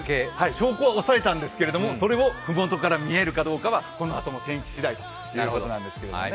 証拠は押さえたんですけど、それをふもとから見えるかどうかはこのあとの天気しだいということなんですけれどもね。